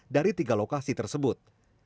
dari tiga lokasi tersebut